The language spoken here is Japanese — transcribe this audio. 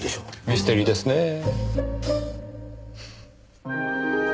ミステリーですねぇ。